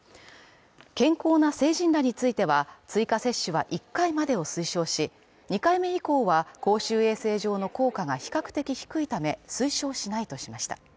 健康な成人らについては、追加接種は１回までを推奨し、２回目以降は公衆衛生上の効果が比較的低いため、推奨しないとしました。